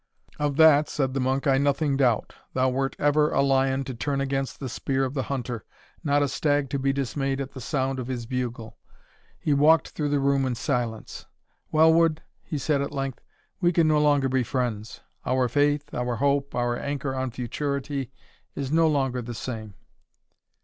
"Of that," said the monk, "I nothing doubt Thou wert ever a lion to turn against the spear of the hunter, not a stag to be dismayed at the sound of his bugle." He walked through the room in silence. "Wellwood," he said at length, "we can no longer be friends. Our faith, our hope, our anchor on futurity, is no longer the same."